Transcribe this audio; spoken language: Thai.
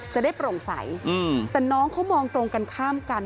จะได้โปร่งใสแต่น้องเขามองตรงกันข้ามกัน